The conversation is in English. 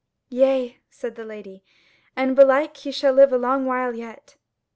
"Yea," said the Lady, "and belike he shall live a long while yet."